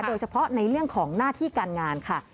โดยเฉพาะในเรื่องของหน้าที่การงานค่ะ